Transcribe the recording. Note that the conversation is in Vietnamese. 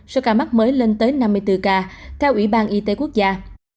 số ca mắc mới lên tới năm mươi bốn ca theo ủy ban y tế quốc gia